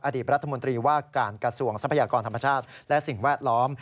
อดีตรัฐมนตรีว่าการกระทรวงทรัพยากรธรรมชาติและสิ่งแวดล้อม